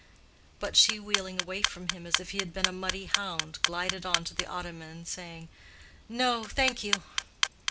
But she, wheeling away from him as if he had been a muddy hound, glided on to the ottoman, saying, "No, thank you."